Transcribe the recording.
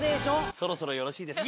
そろそろよろしいですか？